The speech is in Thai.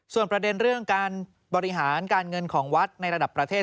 ส่วนประเด็นเรื่องการบริหารการเงินของวัดในระดับประเทศ